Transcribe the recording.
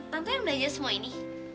tante yang belajar semua ini